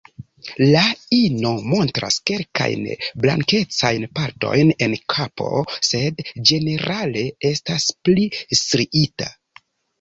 La ino montras kelkajn blankecajn partojn en kapo, sed ĝenerale estas pli striita.